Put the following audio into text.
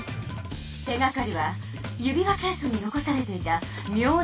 手がかりは指輪ケースに残されていたみょうな紙よ。